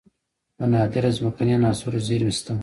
د نادره ځمکنۍ عناصرو زیرمې شته